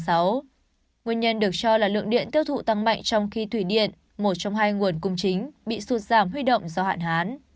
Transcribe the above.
nguyên nhân được cho là lượng điện tiêu thụ tăng mạnh trong khi thủy điện một trong hai nguồn cung chính bị sụt giảm huy động do hạn hán